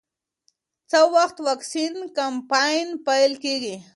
څه وخت واکسین کمپاین پیل کېږي؟